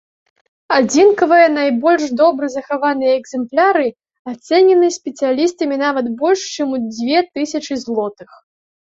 Адзінкавыя, найбольш добра захаваныя экземпляры, ацэнены спецыялістамі нават больш чым у дзве тысячы злотых.